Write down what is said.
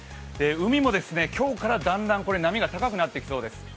海も今日から、だんだん波が高くなってきそうです。